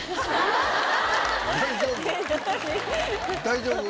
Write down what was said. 大丈夫？